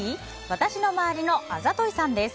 私の周りのあざといさんです。